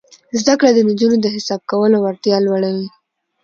زده کړه د نجونو د حساب کولو وړتیا لوړوي.